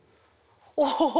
おお。